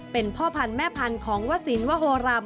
เป็นพ่อพันธุ์แม่พันธุ์ของวสินวโฮราม